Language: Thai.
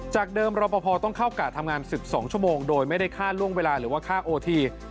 เดิมรอปภต้องเข้ากะทำงาน๑๒ชั่วโมงโดยไม่ได้ค่าล่วงเวลาหรือว่าค่าโอที